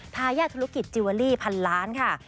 ทายาธุรกิจจิวีลี่๑๐๐๐ล้านคุณค่ะ